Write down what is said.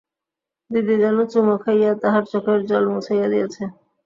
দিদি যেন চুমো খাইয়া তাহার চোখের জল মুছাইয়া দিয়াছে।